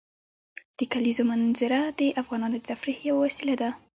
د کلیزو منظره د افغانانو د تفریح یوه وسیله ده.